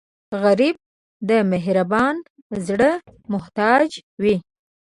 غریب د مهربان زړه محتاج وي